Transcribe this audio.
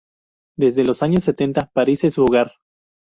Desde los años setenta París es su hogar.